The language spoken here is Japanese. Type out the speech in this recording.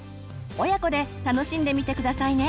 親子で楽しんでみて下さいね。